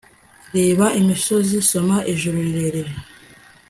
reba imisozi isoma ijuru rirerire